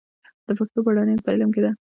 د پښتو بډاینه په علم کې ده.